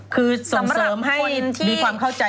คือส่งเสริมให้มีความเข้าใจ